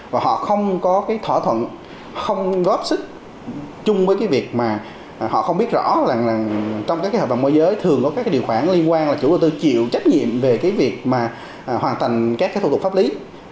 và họ không có cái thỏa thuận không góp sức chung với cái việc mà họ không biết rõ là trong các cái hợp đồng môi giới thường có các cái điều khoản liên quan là chủ đầu tư chịu trách nhiệm về cái việc mà hoàn thành các thủ tục pháp lý